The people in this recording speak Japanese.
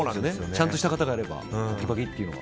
ちゃんとした方がやれば。